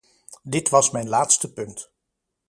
Dit was mijn laatste punt.